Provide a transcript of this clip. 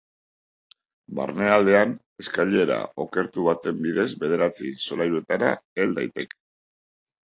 Barnealdean, eskailera okertu baten bidez bederatzi solairuetara hel daiteke.